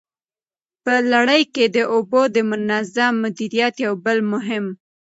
په لړۍ کي د اوبو د منظم مديريت يو بل مهم